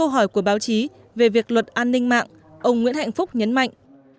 hạnh phúc nhấn mạnh